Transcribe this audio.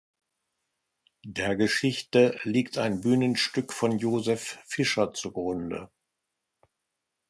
Der Geschichte liegt ein Bühnenstück von Josef Fischer zugrunde.